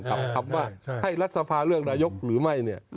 แทบว่าให้รัฐสภาเลือกนายกหรือไม่เนี่ย